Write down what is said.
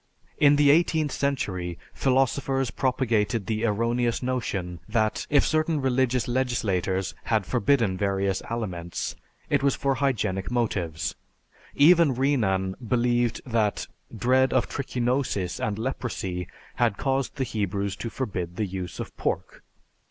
In the eighteenth century, philosophers propagated the erroneous notion that if certain religious legislators had forbidden various aliments, it was for hygienic motives. Even Renan believed that dread of trichinosis and leprosy had caused the Hebrews to forbid the use of pork.